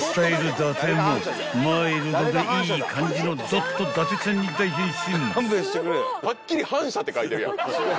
伊達もマイルドでいい感じのドット伊達ちゃんに大変身］